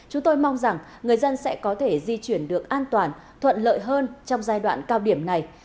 chúng tôi mong rằng người dân sẽ có thể di chuyển được an toàn thuận lợi hơn trong giai đoạn cao điểm này